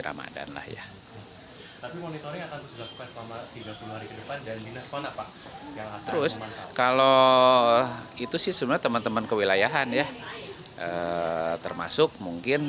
ramadhan lah ya terus kalau itu sih semua teman teman kewilayahan ya termasuk mungkin